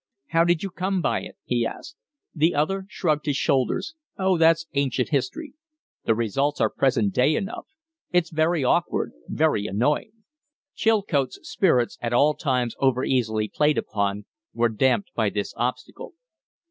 "How did you come by it?" he asked. The other shrugged his shoulders. "Oh, that's ancient history." "The results are present day enough. It's very awkward! Very annoying!" Chilcote's spirits, at all times overeasily played upon, were damped by this obstacle.